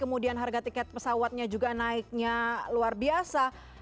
kemudian harga tiket pesawatnya juga naiknya luar biasa